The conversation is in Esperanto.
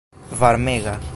varmega